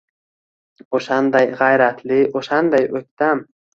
O’shanday g’ayratli, o’shanday o’ktam.